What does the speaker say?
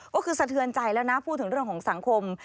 ก็คือสะเทือนใจแล้วนะพูดถึงเรื่องของสังคม